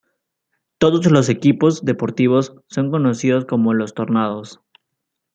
Todos los equipos deportivos son conocidos como los Tornados.